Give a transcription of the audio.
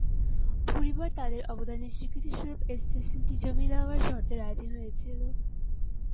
পরিবার তাদের অবদানের স্বীকৃতি স্বরূপ এই স্টেশনটি জমি দেওয়ার শর্তে রাজি হয়েছিল।